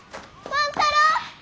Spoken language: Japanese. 万太郎！